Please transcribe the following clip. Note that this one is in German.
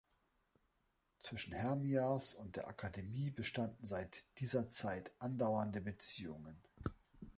Zwischen Hermias und der Akademie bestanden seit dieser Zeit andauernde Beziehungen.